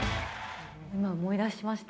今思い出しました。